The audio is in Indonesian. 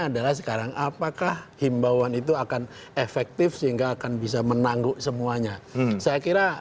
adalah sekarang apakah himbauan itu akan efektif sehingga akan bisa menangguk semuanya saya kira